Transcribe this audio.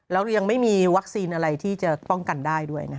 แล้วยังไม่มีวัคซีนอะไรที่จะป้องกันได้ด้วย